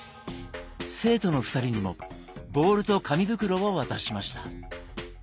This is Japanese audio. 生徒の２人にもボールと紙袋を渡しました。